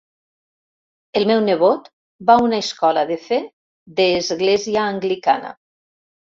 El meu nebot va a una escola de fe de església anglicana